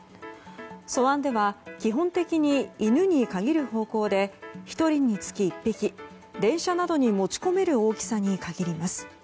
素案では基本的に犬に限る方向で１人につき１匹、電車などに持ち込める大きさに限ります。